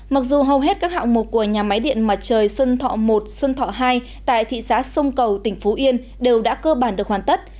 mặc dù hầu hết các hạng mục của nhà máy điện mặt trời xuân thọ một xuân thọ hai tại thị xã sông cầu tỉnh phú yên đều đã cơ bản được hoàn tất